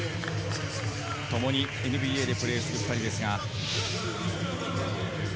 ともにＮＢＡでプレーする２人です。